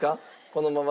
このまま。